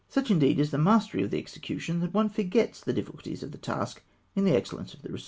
Such, indeed, is the mastery of the execution, that one forgets the difficulties of the task in the excellence of the results.